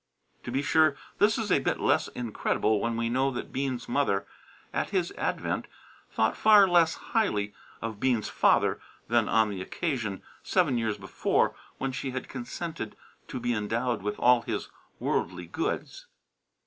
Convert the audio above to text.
To be sure, this is a bit less incredible when we know that Bean's mother, at his advent, thought far less highly of Bean's father than on the occasion, seven years before, when she had consented to be endowed with all his worldly goods.